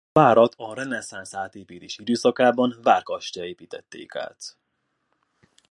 A várat a reneszánsz átépítés időszakában várkastéllyá építették át.